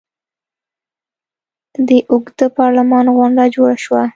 د اوږده پارلمان غونډه جوړه شوه.